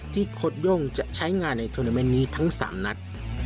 โค้ดโย่งจะใช้งานในโทรนาเมนต์นี้ทั้ง๓นัด